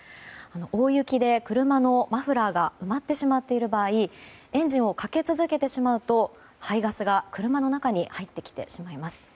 大雪で車のマフラーが埋まってしまっている場合エンジンをかけ続けてしまうと排ガスが車の中に入ってきてしまいます。